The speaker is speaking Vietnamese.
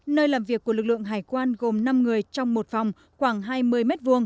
nơi làm việc của lực lượng hải quan gồm năm người trong một phòng khoảng hai mươi m hai